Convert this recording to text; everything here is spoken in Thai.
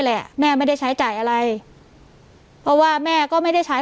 แหละแม่ไม่ได้ใช้จ่ายอะไรเพราะว่าแม่ก็ไม่ได้ใช้